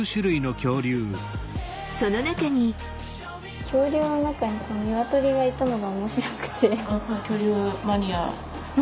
恐竜の中にニワトリがいたのが面白くて。